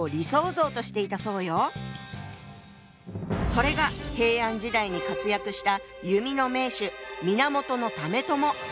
それが平安時代に活躍した弓の名手源為朝。